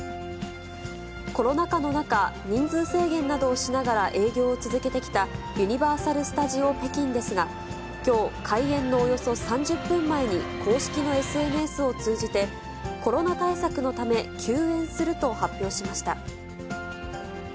コロナ禍の中、人数制限などをしながら営業を続けてきたユニバーサル・スタジオ北京ですが、きょう、開園のおよそ３０分前に公式のＳＮＳを通じて、コロナ対策のため休園すると発表しました。